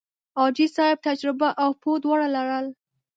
حاجي صاحب تجربه او پوه دواړه لرل.